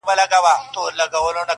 هسي نه چي د قصاب جوړه پلمه سي؛